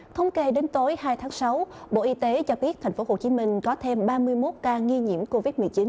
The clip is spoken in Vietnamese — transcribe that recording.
thống kê đến tối hai tháng sáu bộ y tế cho biết tp hcm có thêm ba mươi một ca nghi nhiễm covid một mươi chín